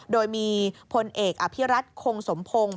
โดยมีพลเอกอภิรัตคงสมพงศ์